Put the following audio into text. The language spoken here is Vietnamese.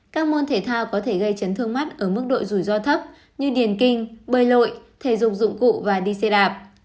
các môn thể thao có thể gây chấn thương mắt ở mức độ rủi ro thấp như điền kinh bơi lội thể dụng dụng cụ và đi xe đạp